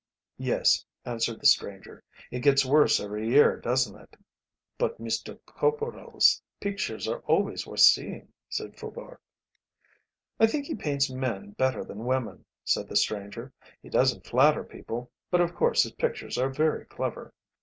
"Yes," answered the stranger; "it gets worse every year doesn't it?" "But Mr. Corporal's pictures are always worth seeing," said Faubourg. "I think he paints men better than women," said the stranger; "he doesn't flatter people, but of course his pictures are very clever."